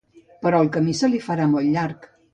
Però el camí se li farà molt llarg.